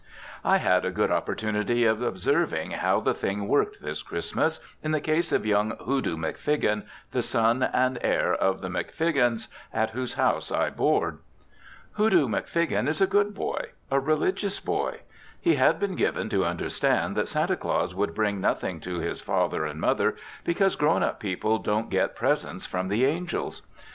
I had a good opportunity of observing how the thing worked this Christmas, in the case of young Hoodoo McFiggin, the son and heir of the McFiggins, at whose house I board. Hoodoo McFiggin is a good boy a religious boy. He had been given to understand that Santa Claus would bring nothing to his father and mother because grown up people don't get presents from the angels.